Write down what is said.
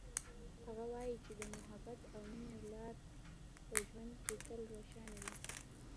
هغه وایي چې د محبت او مینې لار په ژوند کې تل روښانه وي